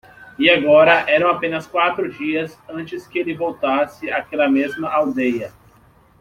E agora eram apenas quatro dias antes que ele voltasse àquela mesma aldeia.